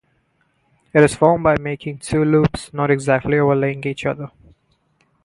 It is formed by making two loops, not exactly overlaying each other.